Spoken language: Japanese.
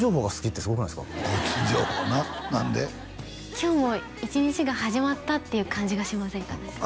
今日も一日が始まったっていう感じがしませんか？